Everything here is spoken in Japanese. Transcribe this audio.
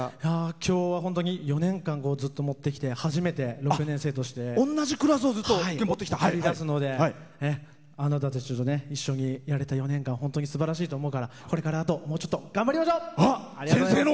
きょうは本当に４年間ずっと、もってきて、初めて６年生として送り出すのであなたたちと一緒にやれた４年間本当にすばらしいと思うからこれから、もうちょっと頑張りましょう！